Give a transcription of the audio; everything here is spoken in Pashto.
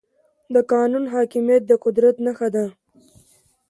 د قانون حاکميت د قدرت نښه ده.